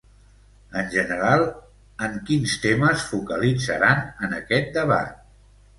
En general, en quins temes focalitzaran en aquest debat?